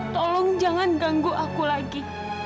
tolong jangan ganggu aku lagi